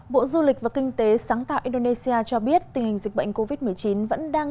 bộ du lịch và kinh tế sáng tạo indonesia cho biết tình hình dịch bệnh covid một mươi chín vẫn đang